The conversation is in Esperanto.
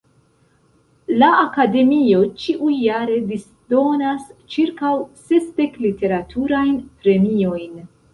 La Akademio ĉiujare disdonas ĉirkaŭ sesdek literaturajn premiojn.